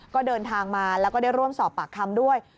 ก็เดินทางมาแล้วก็ได้ร่วมสอบปากคำด้วย